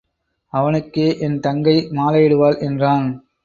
அவனுக்கே என் தங்கை மாலை இடுவாள் என்றான்.